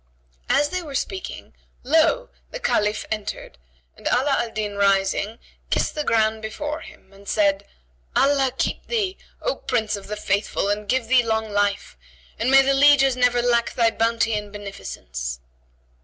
As they were speaking, lo! the Caliph entered and Ala al Din rising, kissed the ground before him and said, "Allah keep thee, O Prince of the Faithful, and give thee long life; and may the lieges never lack thy bounty and beneficence!"